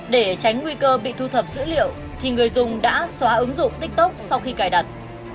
để tránh nguy cơ bị thu thập dữ liệu thì người dùng đã xóa ứng dụng tiktok sau khi cài đặt